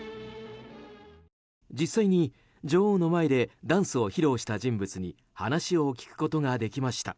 実際に女王の前でダンスを披露した人物に話を聞くことができました。